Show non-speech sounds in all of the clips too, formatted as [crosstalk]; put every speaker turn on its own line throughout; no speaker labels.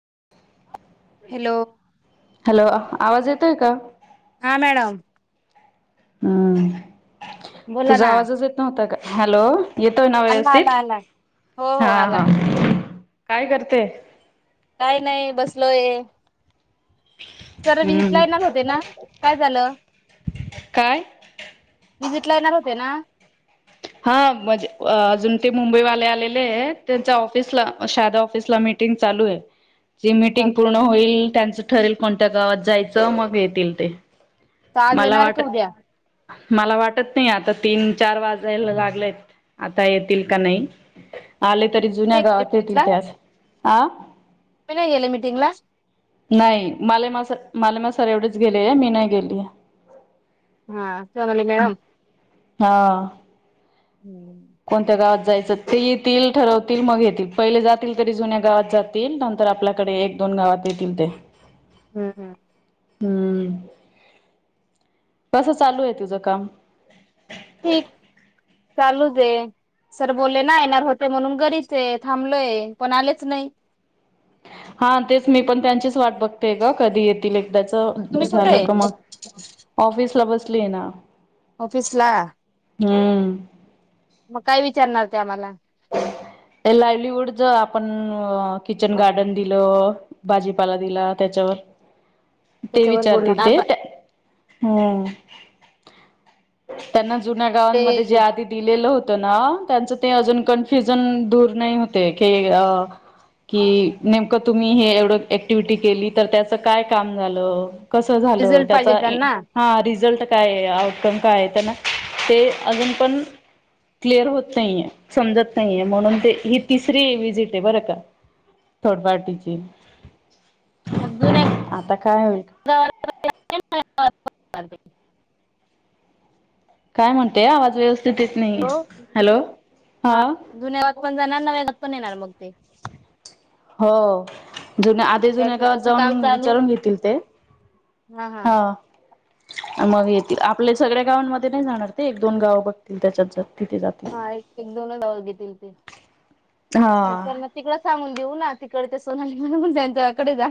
[inaudible]
Hello
hello आवाज येतोय का
हा मॅडम
हम्
बोला ना
तुझा आवाजच येत नव्हता का हॅलो येतोय ना
आला
व्यवस्थित
आला आला हो
हा
हो आला
हा काय करते
काय नाही बसलोय सर विजिट ला
हम्म
येणार होते ना काय झालं
काय
विजिट ला येणार होते ना
हा म्हजे अजून ते मुंबईवाले आलेले आहे त्यांच्या ऑफिसला शादा ऑफिसला मिीटिंग चालू आहे जी मीटिंग
चालतंय
पूर्ण होईल त्यांच ठरल कोणत्या गावात जायचं मग येतील ते
त आज
मला
येणार का
वाट
उदया
मला वाटत नाई आता तीन चार वाज लेत लागलेत आता येतील का नाई आले तरी जुन्या
नाही गेले
गावात येतील ते आज आ
ते नाय गेले मिटींगला
नाही मालेमा सर मालेमा सर एवढेच गेले आहे मी नाय गेली ये.
हा त्योवली मॅडम
हा
हम्म
जायच ते येतील ठरवतील मग येतील पहिले जातील तरी जुन्या गावात जातील नंतर आपल्याकडे एक दोन गावात येतील ते
[unintelligible]
हूं कस चालू आहे तुझं काम
ठीक चालूच ये सर बोलले ना येणार होते म्हणून घरीच थांबलोय पण आलेच नाई
हा तेच मी पण त्यांचीच वाट बघतेय का कधी येतील दाच
तुम्ही कुठे
झालं का
आहे
मग ऑफिसला ब ले ना
ऑफीसला
हूं
मग काय विचारणार ते आम्हाला
ते लायलीवूडच आपण किचन गार्डन दिलं भाजीपाला दिला त्याच्यावर ते
त्याच्यावर बोलणार
विचारतील ते
आता
हूं [inaudible] त्यांना जुन्या
ते
गावांमध्ये जे आधी दिलेल होत त्यांना त्यांच ते अजून कन्फ्युजन दूर नाही होत ये की की नेमकं तुम्ही हे एवढं ऍक्टिवटी केली तर त्याचं काय काम झालं. कसं झालं
रिझल्ट पाहिजे
त्याचा इ
त्यांना
हा रिझल्ट काय आउटकम काय आहे त्यांना ते अजून पण क्लिअर होत नाहीये. समजत नाहीये म्हणून ते ही तिसरी व्हिसिट आहे बरं का थर्ड पार्टीची
मग जुन्या
आता काय होईल
[unintelligible] [unintelligible]
काय म्हणते आवाज व्यवस्थ
हॅलो हा जुन्या गावात पण जाणार नव्या- पण येणार मग ते
हो. जुन आधी जुन्या
त्यांचं
गावात
कसं
जाऊन
काम चालू
विचारून घेतील ते
हा हा
हा मग येतील आपल्या सगळ्या गावांमध्ये नाय जाणार ते एक दोन गाव बघतील त्याच्यात जा
हा एक एक दोनच गाव घेतील ते मग
हा.
त्यांना तिकडं सांगून देऊ ना तिकडे ते सोना [unintelligible] त्यांच्या कडे जा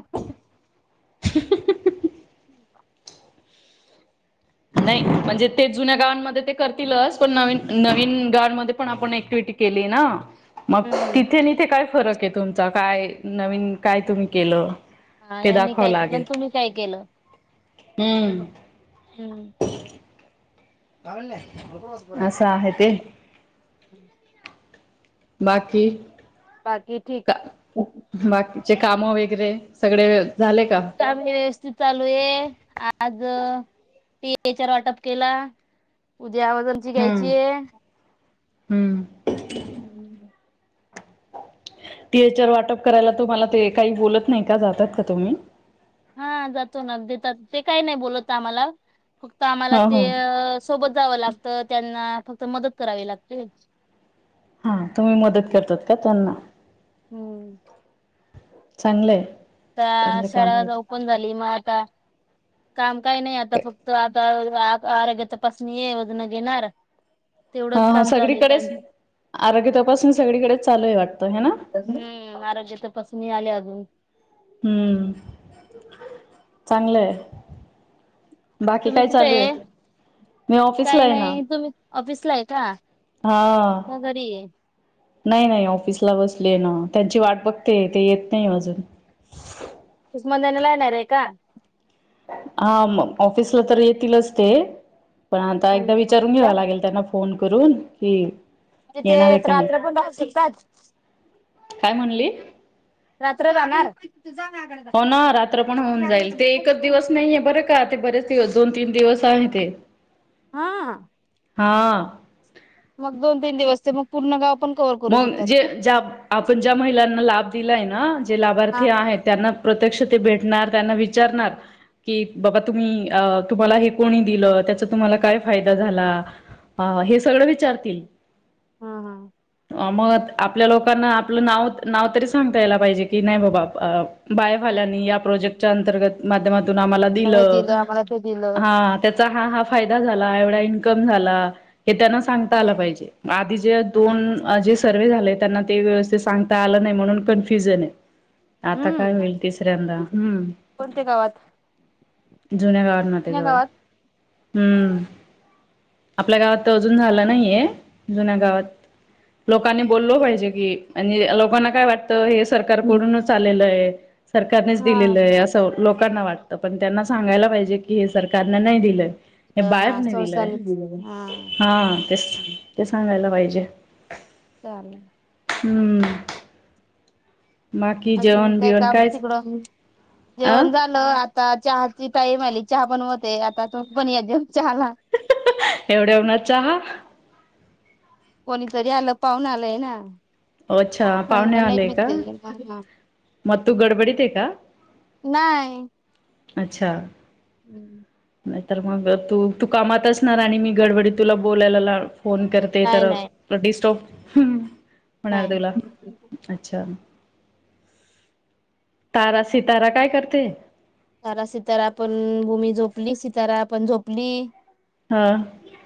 नाही म्हणजे ते जुन्या गावांमध्ये ते करतीलच, पण नवीन नवीन गावांमध्ये पण आपण ऍक्टिव्हटी केली ना. मग
हम्म
तिथे नी इथे काय फरक आहे तुमचा काय? नवीन काय तुम्ही केलं?
हा
ते
यांनी
दाखवावं
काय केलं
लागेल
आणि तुम्ही काय केलं? हं.
हम्म
[unintelligible]
असं आहे ते
[unintelligible] [unintelligible]
बाकी?
बाकी ठीक.
चे कामं वगैरे सगळे झाले का?
काम व्यवस्थित चालू आहे. आज टिएचआर वाटप केला. उद्या आवाजांची
हम्म.
घ्यायची आहे.
हम्म टिएचआर वाटप करायला तुम्हाला ते काही बोलत नाही का जातात का तुम्ही?
हा जातो ना. देतात ते काही नाही बोलत आम्हाला फक्त आम्हाला
हा
ते
हो
सोबत जावं लागतं. त्यांना फक्त मदत करावी लागते.
हा, तुम्ही मदत करतात का त्यांना?
हम्म.
चांगलंय.
आता
चांगले
शाळा
काम
आज
आहेत
ओपण झाली मग आता काम काही नाही आता फक्त आता आज आरोग्य तपासणी हाय वजन घेणार
हा,
तेवढंच
हा
काम चालू आहे त्यां
सगळीकडेच आरोग्य तपासून सगळीकडेच चालू आहे वाटतं हे ना?
हम्म आरोग्य तपासनी [unintelligible] अजुन
हम्म, चांगलंय. बाकी
तुम्ही
काय
कुठे
चालू आहे? मी ऑफिसला
काही
आहे ना.
नाही तुम्ही ऑफिसला आहे का?
हा.
का घरी आहे
नाही, नाही ऑफिसला बसले ना. त्यांची वाट बघते ते येत नाही अजून
मधना ला येणार आहे का?
हा मग ऑफिसला तर येतीलच ते. पण आता एकदा
मंधन
विचारून घ्यावा
ऑफिसला
लागेल त्यांना. फोन करून की.
म्हणे ते, रात्र पण राहू शकतात.
काय म्हणली?
रात्र भाणार?
हो ना रात्र पण होऊन जाईल, ते एकच दिवस नाहीये बरं का ते बरेच. दोन तीन दिवस आहे ते.
हा.
हां.
मग दोन तीन दिवस ते मग पूर्ण गाव. पण कव्हर करू
मग
शकतात.
ज आपण ज्या महिलांना लाभ दिलाय ना. जे
हा
लाभार्थी आहेत, त्यांना प्रत्यक्ष ते भेटणार. त्यांना विचारणार, की बाबा तुम्ही तुम्हाला हे कोणी? दिलं त्याचा तुम्हाला काय फायदा झाला? हे सगळ विचारतील.
हा हा.
मग आपल्या लोकांना आपलं नाव नाव तरी सांगता यायला पाहिजे की नाही बाबा. बायवाल्यांनी या प्रोजेक्ट च्या अंतर्गत माध्यमात. माध्यमातून आम्हाला
मला हे
दिलं,
आम्हाला ते दिलं
हा हा हा फायदा झाला, एवढा इन्कम झाला, हे त्यांना सांगता आ पाहिजे, आधी ज [unintelligible] झा त्यां ते व्यव सांगता आ नाही म्हणून कन्फ्युजन आहे. आता काय
हम्म
होईल तिसऱ्यांदा हम्म.
कोणत्या गावात
ते जुन्या गावांमध्ये
जुन्या
ग.
गावात
हम्म, आपल्या गावात अजून झालं नाहीये जुन्या गावात लोकांनी बोललो पाहिजे की आणि लोकांना काय वाटतं हे सरकारकडूनच आलेल आहे. सरकारनेच
हा
दिलेलं आहे असंक लोकांना वाटत पण त्यांना सांगायला पाहिजे की हे सरकारने नाही दिलं. हे
हा
बायबने दिलंय
संस्थानी हा
हा ते ते सांगायला. पाहिज. [unintelligible]
चालेल.
हम्म. माकी
अजून
जेवण
काय
बिवण
काम
कायच?
तिकडं
अ
जेवण झालं आ आता चहाची ताईमली चहा पण होते आता तु पण या चहाला
एवढ्या होणार चहा
कोणीतरी आलं पाहून आलंय ना
अच्छा
थंड
पाहुणे
नाही
आलेय का
पिते नाही
मग तू गडबडीत आहे का
नाही
अच्छा
हम्म
तर मग तू तू कामात असणार आणि मी गडबडीत तुला बोलायला लाव फोन करते तर
नाही
डिस्टॉफ हम्म मणातक
नाही
अच्छा तारा सितारा काय करते.
सारा सितारा पण भूमी झोपली सितारा पण झोपली.
हा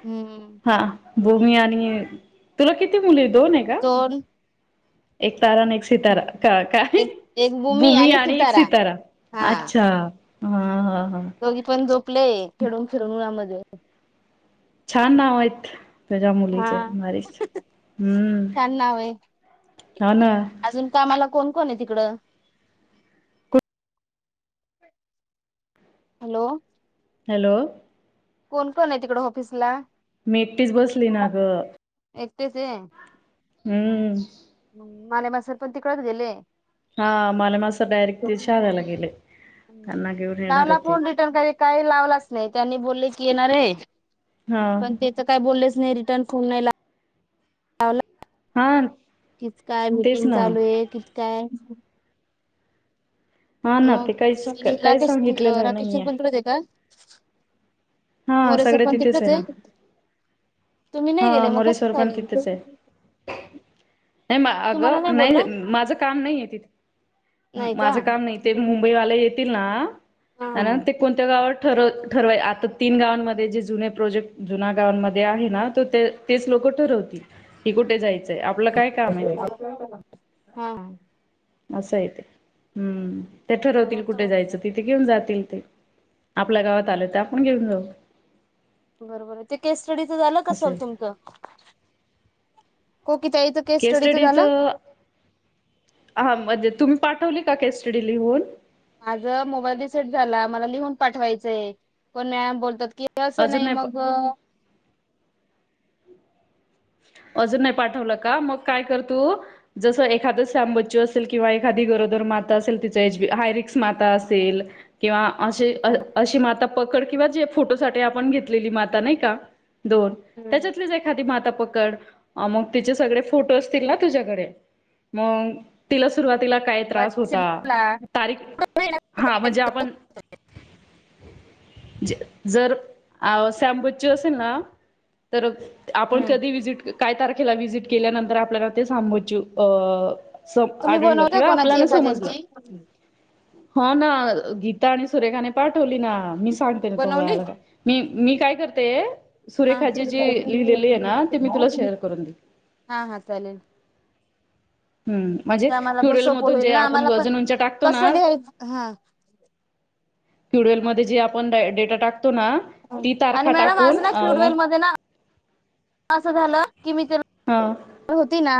हम्म
हा भूमी आणि तुला किती मुलं येत. दोन आहे का
दोन
एक तारा न एकसितारा का काय भूमी आणि एक सितारा
हा
अच्छा हा हा
दोघी पण झोपले खेळून फिरून उन्हामध्ये हो
छान ना होय रजा
हा
मुलीचे माारी हम्म
छान नाव आहे
हा ना.
अजून कामाला कोण कोण आहे तिकड हॅलो
हॅलो
कोण कोण आहे तिकड ऑफिसला.
मी एकटीच बसली ना ग
एकटच आहे.
हम्म
माला माझ स्र्पण तिकळत गेले.
हा मला मासं डायरेक्ट ते शहाद्याला गेले त्यांना घेऊन येणार
लावला
आहे ते
रिटन काही लावलाच नाही त्यांनी बोलली. कि येणार रे
हा
पण ते तर काय बोललेच नाही र कन्फर्म फोमला वलं
आण
किच काय मीटिंग चालू आहे किती काय
हा ना ते
मग
काहीच
सगीजण
काहीच
राकेश
सांगितलेलं
राकेशर
नाहीये
बोलते का
हा
मोरे सर
सगळे
पण
तिथेच
तिकडेच
आहे ना
तुम्ही नाही
हा
गेले मग कसं
मुरेश्वर
काय
पण
नाही?
तिथेच आहे, नाही म
तुम्हाला
अगं नाही
बोललं?
माझ काम नाही य तिथ
नाही का?
माझं काम नाही ते मुंबईवाल्या येतील ना आणि
हा
ते कोणत्या गावात ठरव ठरवाय आता तीन गावांमध्ये जे जुने प्रोजेक्ट जुन्या गावांमध्ये आहे ना त तेच लोक ठरवती की कुठे जायच. य आपलं काय काम आहे तिथे
हा
असं य ते हम्म ते ठरवतील
म्हणून
कुठे
तुम्ही
जायचं तिथे घेऊन जातील. ते आपल्या गावात आलो त्या कोण घेतलव
बरोबर आहे ते केस स्टडी झालं का सल
आहे
तुमचं कोकी ताईचं
केस
स्टडीचं
स्टडीच
झालं?
अहा म्हजे तुम्ही पाठवली का केस स्टडी लिहून?
माझ मोबाईल रिसेट झाला मला लिहून पाठवायचंय कोण न्यायाम बोलतात की असं नाही मग
अजून नाही पाठवलं का? मग काय कर तू जस एखाद श्यामबच्चू असेल किंवा एखादी गरोदर माता असेल तिच एी हायरिक्स माता असेल किंवा अशी अ अशी माता पकड किंवा जे फोटोसाठी आपण घेतलेली माता नाही का दोन
मोबाईल
त्याच्यातलेच एखादी माता कड आ मंग तिचे सगळे फोटो असतील ना तुझ्याकडे मग तिलाच सुरवातीला काय त्रास
रिसेट
होता
झाला.
तारीख हा म्हणजे आपण जर अ शॅबूची असेल ना तर आपण
हम्म.
कधी विस काय तारखेला व्हिजिट केल्यानंतर आपल्याला ते सांबोच अ स
तुम्ही
आढळलं
बनवलं
किंवा
कोणाची
आपल्यान समजलं
एखाद्यांची?
हो ना गीता आणि सुरेखाने पाठवली ना मी सांगते तो
बनवली?
वला काय मी मी काय करते सुरेखा ची जी लिहिलेली आहे ना ते मी तुला
हा. [unintelligible]
शेअर करून दे
हा हा चालेल.
हम्म म्हणजे
ते आम्हाला पण
क्युलार
सोपं
मधून
होईल ना
आपण जे
आम्हाला
वजन
पण
उंच टाकतो ना.
कसं लिहायचं हा
क्युलार मध्ये जे आपण डेटा टाकतो ना ती
आणि
तारखा
मॅडम
टाकून
असं ना क्युबवेल
मग
मध्ये ना अस झालं कि मी ते
हा
[unintelligible] होती ना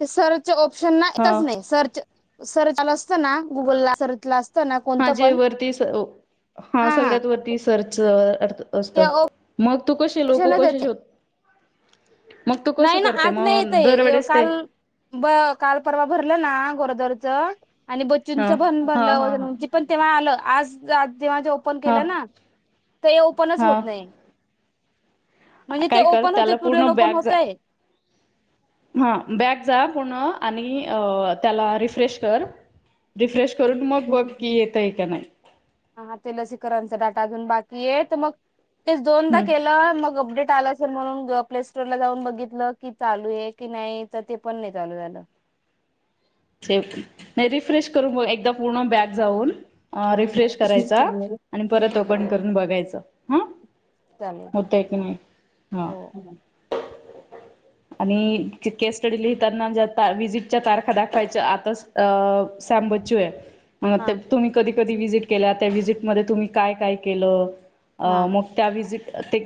ते सर ऑप्शनच ना येतच
हा
नाही सर्च सर्चला असतं ना गुगलला सर्चला असत
हा जे वरती हा सगळ्यात वरती सर्च असत
ते
मग तू कशी लोक
ऑप्शनच
कसे
येत
शोध मग तू कसं
नाही ना
करते
आज नाही
मग
येतय
दरवेळेस ते
काल ब काल परवा भरलं ना गोरदरच आणि
हा
बच्चूंचं पण
हा
भरलं
हा
वजन उंची पण तेव्हा आलं आज जेव्हा जे ओपन
हा
केलं ना ते ओपनच
हा
होत नाही. म्हणजे ते
काय कर
ओपन होता
त्याला पूर्ण
क्युरियन
बॅग
ओपन हो
जा
[unintelligible]
हा बॅग जा पूण आणि त्याला रिफ्रेश कर रिफ्रेश करून मग बघ कि येतय का नाही
ये तर मग तेच, दोनदा
हम्म
केलं मग अपडेट आला म्हणून प्ले स्टोर ला जाऊन बघितलं की चालू आहे की नाही तर ते पण नाही चालू झालं
सेफ्ट, नाही रिफ्रेश करू एकदा पूर्ण बॅग जाऊन अ..
हम्म
रिफ्रेश करायचा आणि परत
हम्म
ओपन करून बघायच, हा
चालेल
होतंय की नाही ह..
हो.
आणि केस स्टडी लिहिताना ज्या ता विजिटच्या तारखा दाखवायच्या आताच अ सॅम बचूय
हा
मग तुम्ही कधी कधी व्हजिट केल्या त्या व्हिजिटमध्ये तुम्ही काय काय केलं? तु अ
हा
मग त्या विजिट ते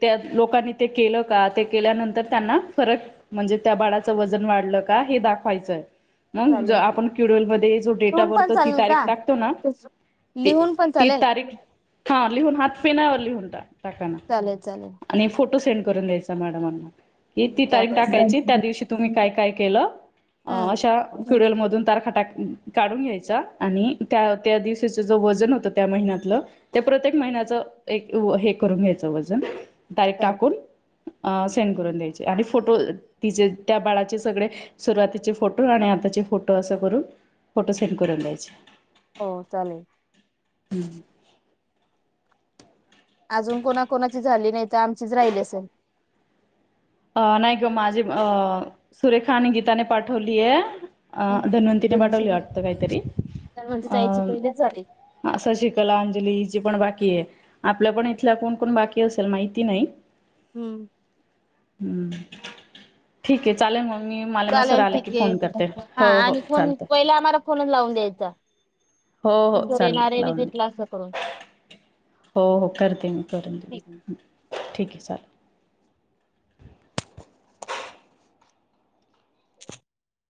त्या लोकांनी ते केलं का ते केल्यानंतर त्यांना फरक म्हणजे त्या बाळाचं वजन वाढलं का? हे दाखवायचंय. मग
चालेल
आपण क्युडएल म जो डेटा
लिहून पण
बरतो ती
चालेल
तारीख
का?
टाकतो ना,
लिहून पण
ती
चालेल
तारीख हा लिहून हात पेण्यावर लिहून ट टाका ना
चालेल चालेल.
आणि फोट फोटो सेड करून द्यायचा मॅडमांना. की ती तारीख
चालेल
टाकायची. त्या दिवशी तुम्ही काय काय केलं? अ
हम्म
अशा क्युडल मधून तारखा टाक काढून घ्यायचा आणि त्या त्या दिवसाच ज वजन होत त्या महिन्यातलं ते प्रत्येक महिन्याच एक हे करून घ्यायच वजन. तारीख
चालेल
टाकून अ सेंड करून द्यायची. आणि फोटो तिचे त्या बाळाचे सगळे सुरुवातीचे फोटो आणि आताचे फोटो असं करू फोटो सेंड कर जायच.
हो चालेल.
हम्म.
अजून कोणाकोणाची झाली नाही तर, आमचीच राहिली असेल.
अ नाही ग माझी अ सुरेखाने, गीताने पाठवलीय. अ धन्वंतीने पाठवली वाटत काहीतरी.
तर म्हणजे ताईची पहिलीच झाली.
अ शशिकला न हिची पण बाकीय. आपल्या पण इथल्या कोण- कोण बाकी असेल माहिती नाही.
हम्म.
हम्म. ठीकय, चालेल मग. मी मला मग सर
चालेल
आले की
ठीके.
फोन करते
हा
हो हो
आणि फोन
चालतं
पहिला आम्हाला फोनच लावून द्यायचा.
हो हो
की सर
चालल
येणार आहे
लावून
विजिटला असं करून.
दे. हो हो करते मी करून
ठीक.
दे ठीक आहे चाल